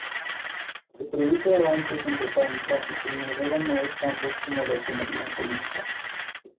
Se produce avances en botánica y se inauguran nuevos campos como la economía política.